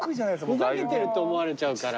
ふざけてるって思われちゃうから。